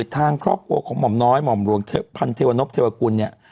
ทางครอบครัวของม่อมน้อยม่อมรวงพันธุ์เทวอนกุลเนี่ย